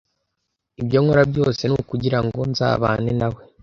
Ibyo nkora byose ni ukugira ngo nzabane nawe